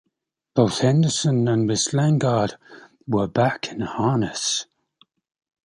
Both Henderson and Miss Lingard were back in harness.